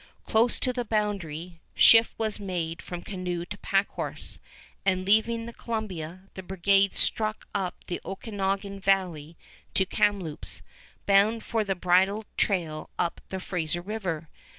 Close to the boundary, shift was made from canoe to pack horse, and, leaving the Columbia, the brigade struck up the Okanogan Valley to Kamloops, bound for the bridle trail up Fraser River.